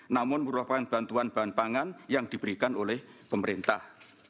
namun merupakan bantuan bahan pangan yang diberikan oleh pemerintah